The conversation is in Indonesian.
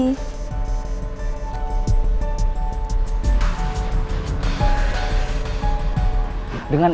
sah aku mau keluar